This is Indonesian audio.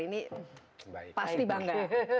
ini pasti bangga